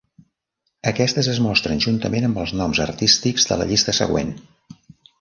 Aquestes es mostren juntament amb els noms artístics de la llista següent.